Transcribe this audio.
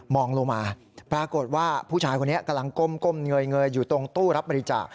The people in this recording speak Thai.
ลงมาปรากฏว่าผู้ชายคนนี้กำลังก้มเงยอยู่ตรงตู้รับบริจาค